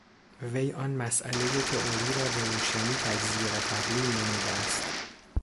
وی آن مسئلهٔ تئوری را بروشنی تجزیه و تحلیل نموده است.